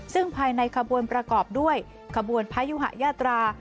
ซึ่งภายในขบวนประกอบด้วยขบวนพยุหะยาตรา